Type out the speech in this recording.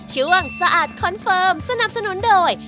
ช่วงสะอาดคอนเฟิร์มสนับสนุนโดย